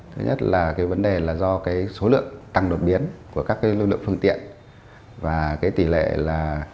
thứ nhất là cái vấn đề là do cái số lượng tăng đột biến của các cái lưu lượng phương tiện và cái tỷ lệ là